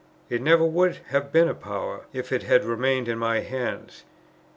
It never would have been a power, if it had remained in my hands.